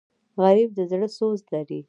غریب د زړه سوز لري